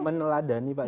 meneladani pak jokowi